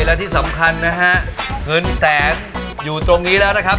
และที่สำคัญนะฮะเงินแสนอยู่ตรงนี้แล้วนะครับ